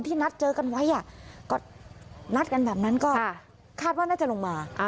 นัดเจอกันไว้ก็นัดกันแบบนั้นก็คาดว่าน่าจะลงมา